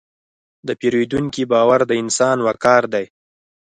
د پیرودونکي باور د انسان وقار دی.